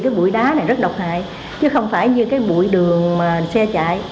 cái bụi đá này rất độc hại chứ không phải như cái bụi đường xe chạy